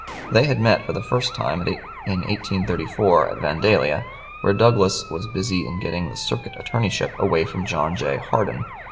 They had met for the first time in 1834 at Vandalia, where Douglas was busy in getting the circuit attorneyship away from John J. Hardin.